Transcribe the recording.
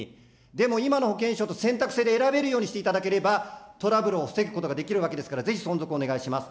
でも今の保険証と選択制で選べるようにしていただければ、トラブルを防ぐことができるわけですから、ぜひ存続をお願いします。